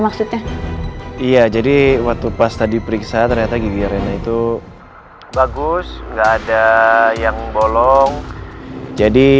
maksudnya iya jadi waktu pas tadi periksa ternyata gigi arena itu bagus enggak ada yang bolong jadi